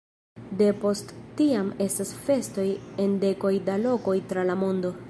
Depost tiam estas festoj en dekoj da lokoj tra la mondo.